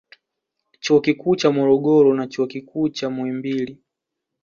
Chuo Kikuu cha Morogoro na Chuo Kikuu cha Muhimbili